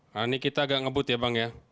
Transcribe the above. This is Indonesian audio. nah ini kita agak ngebut ya bang ya